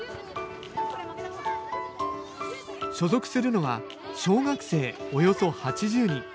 所属するのは小学生およそ８０人。